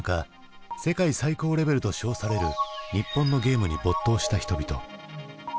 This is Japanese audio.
世界最高レベルと称される日本のゲームに没頭した人々。